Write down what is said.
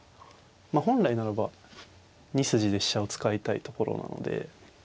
本来ならば２筋で飛車を使いたいところなので。